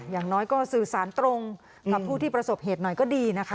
อย่างน้อยก็สื่อสารตรงกับผู้ที่ประสบเหตุหน่อยก็ดีนะคะ